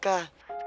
aku mau berhenti